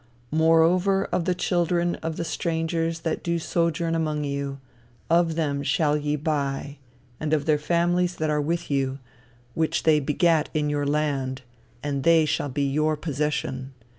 "Moreover of the children of the strangers that do sojourn among you, of them shall ye buy, and of their families that are with you, which they begat in your land: and they shall be your possession.